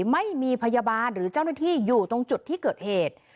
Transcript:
ไม่มีพยาบาลหรือเจ้าหน้าที่อยู่ตรงจุดที่เกิดเหตุ